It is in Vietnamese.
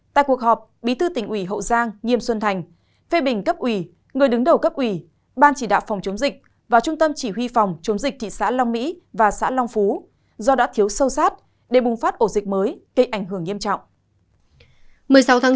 tại cuộc họp bí thư tỉnh ủy hậu giang nghiêm xuân thành phê bình cấp ủy người đứng đầu cấp ủy ban chỉ đạo phòng chống dịch và trung tâm chỉ huy phòng chống dịch thị xã long mỹ và xã long phú do đã thiếu sâu sát để bùng phát ổ dịch mới gây ảnh hưởng nghiêm trọng